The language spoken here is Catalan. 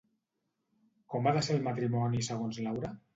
Com ha de ser el matrimoni segons Laura?